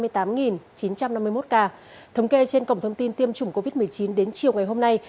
thống kê trên cổng thông tin tiêm chủng covid một mươi chín đến chiều ngày hôm nay